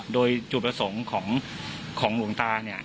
โดยจุดประสงค์ของหลวงตาเนี่ย